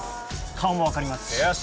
顔もわかりますし！